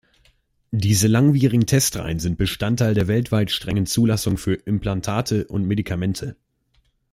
Diese langwierigen Testreihen sind Bestandteil der weltweit strengen Zulassungen für Implantate und Medikamente.